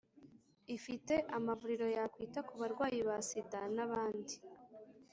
ifite amavuriro yakwita ku barwayi ba sida n’abandi.